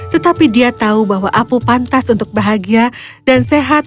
tetapi dia tahu bahwa apu pantas untuk bahagia dan sehat